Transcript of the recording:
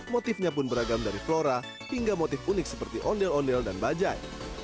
motifnya pun beragam dari flora hingga motif unik seperti ondel ondel dan bajaj